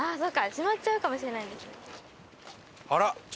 閉まっちゃうかもしれないんですね。